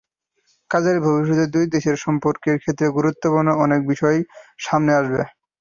কাজেই ভবিষ্যতে দুই দেশের সম্পর্কের ক্ষেত্রে গুরুত্বপূর্ণ অনেক বিষয় সামনে আসবে।